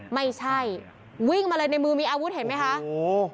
ไม่ใช่วิ่งมาเลยในมือมีอาวุธเห็นไหมคะโอ้โห